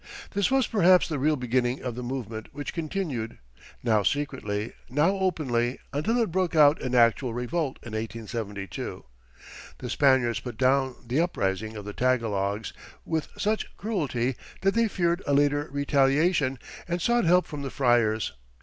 This was perhaps the real beginning of the movement which continued, now secretly, now openly, until it broke out in actual revolt in 1872. The Spaniards put down this uprising of the Tagalogs with such cruelty that they feared a later retaliation, and sought help from the friars.